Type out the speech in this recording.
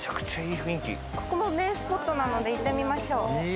ここも名スポットなので行ってみましょう。